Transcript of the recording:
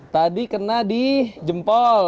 tadi kena di jempol